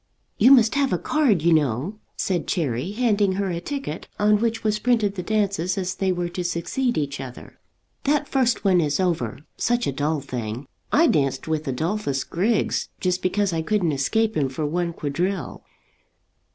"You must have a card, you know," said Cherry handing her a ticket on which was printed the dances as they were to succeed each other. "That first one is over. Such a dull thing. I danced with Adolphus Griggs, just because I couldn't escape him for one quadrille."